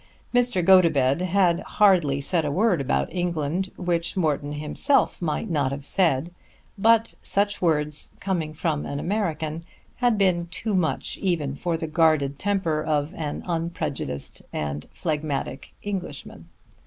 Mr. Gotobed had hardly said a word about England which Morton himself might not have said, but such words coming from an American had been too much even for the guarded temper of an unprejudiced and phlegmatic Englishman.